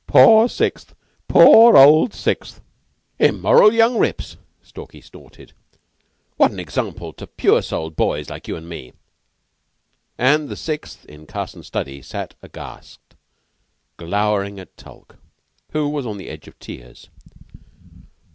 "Poor Sixth poor old Sixth!" "Immoral young rips," Stalky snorted. "What an example to pure souled boys like you and me!" And the Sixth in Carson's study sat aghast, glowering at Tulke, who was on the edge of tears.